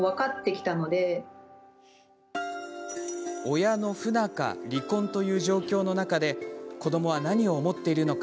親の不仲、離婚という状況の中で子どもは何を思っているのか。